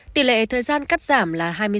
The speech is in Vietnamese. tỷ lệ thời gian cắt giảm là hai mươi sáu